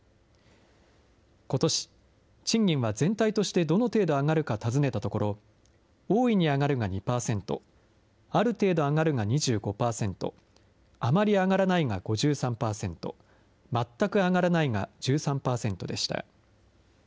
ことし、賃金は全体としてどの程度上がるか尋ねたところ、大いに上がるが２％、ある程度上がるが２５％、あまり上がらないが５３％、まったく上がらないが１３％でした。